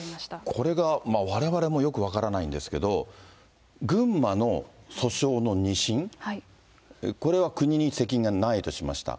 これが、われわれもよく分からないんですけども、群馬の訴訟の２審、これは国に責任がないとしました。